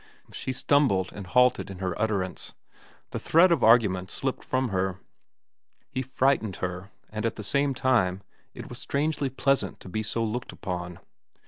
She stumbled and halted in her utterance. The thread of argument slipped from her. He frightened her, and at the same time it was strangely pleasant to be so looked upon.